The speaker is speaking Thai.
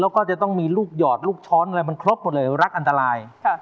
แล้วก็จะต้องมีลูกหยอดลูกช้อนอะไรมันครบหมดเลยรักอันตราย